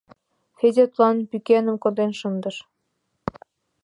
Федя тудлан пӱкеным конден шындыш.